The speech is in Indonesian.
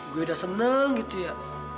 gue udah seneng gitu ya